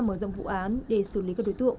mở rộng vụ án để xử lý các đối tượng